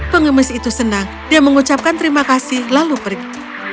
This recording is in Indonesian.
pengemis itu senang dia mengucapkan terima kasih lalu pergi